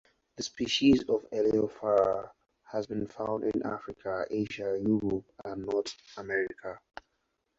The species of "Elaeophora" have been found in Africa, Asia, Europe, and North America.